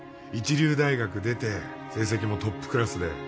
一流大学出て成績もトップクラスで